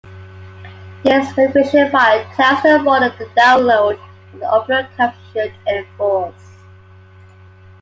This configuration file tells the modem the download and upload caps it should enforce.